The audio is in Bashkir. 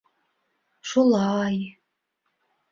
Шула-а-й.